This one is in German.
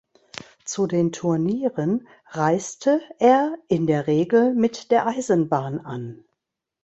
Zu den Turnieren reiste er in der Regel mit der Eisenbahn an.